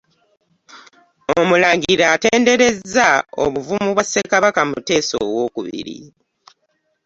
Omulangira atenderezza obuvumu bwa Ssekabaka Muteesa owookubiri